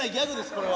これは。